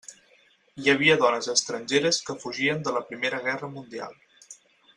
Hi havia dones estrangeres que fugien de la Primera Guerra Mundial.